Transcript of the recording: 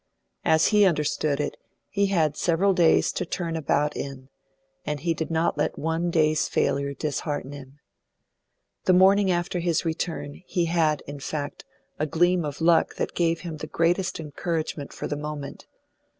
As he understood it, he had several days to turn about in, and he did not let one day's failure dishearten him. The morning after his return he had, in fact, a gleam of luck that gave him the greatest encouragement for the moment.